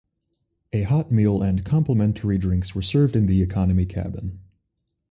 A hot meal and complimentary drinks were served in the economy cabin.